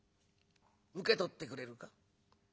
受け取ってくれるか？